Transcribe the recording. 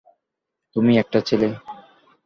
তুমি একটা ছেলে।